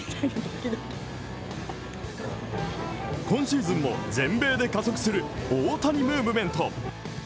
今シーズンも全米で加速する大谷ムーブメント。